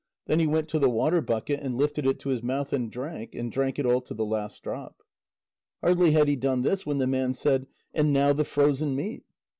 Then he went to the water bucket, and lifted it to his mouth and drank, and drank it all to the last drop. Hardly had he done this when the man said: "And now the frozen meat."